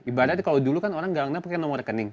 ibarat kalau dulu kan orang menggalang dana pakai nomor rekening